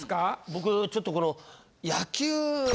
僕ちょっとこの野球で。